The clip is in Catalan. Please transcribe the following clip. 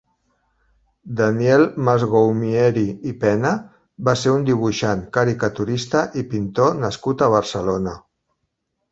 Daniel Masgoumiery i Pena va ser un dibuixant, caricaturista i pintor nascut a Barcelona.